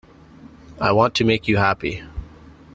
I want to make you happy.